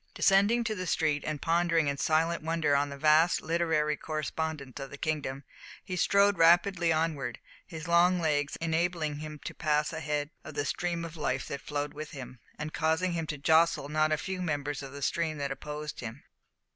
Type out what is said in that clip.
Descending to the street, and pondering in silent wonder on the vast literary correspondence of the kingdom, he strode rapidly onward, his long legs enabling him to pass ahead of the stream of life that flowed with him, and causing him to jostle not a few members of the stream that opposed him.